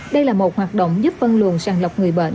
đây là một hoạt động giúp phân luồng sàng lọc người bệnh